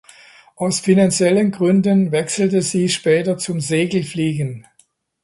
Aus finanziellen Gründen wechselte sie später zum Segelfliegen.